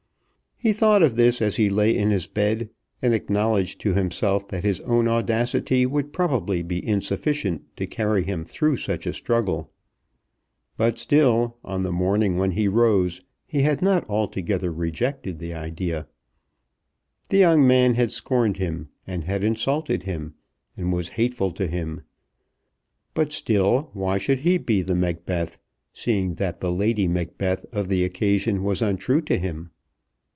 He thought of this as he lay in his bed, and acknowledged to himself that his own audacity would probably be insufficient to carry him through such a struggle. But still on the morning when he rose he had not altogether rejected the idea. The young man had scorned him and had insulted him, and was hateful to him. But still why should he be the Macbeth, seeing that the Lady Macbeth of the occasion was untrue to him?